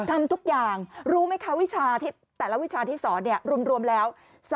ทำทุกอย่างรู้ไหมคะวิชาแต่ละวิชาที่สอนรวมแล้ว